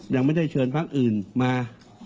ยังไม่ได้เชิญพักอื่นมา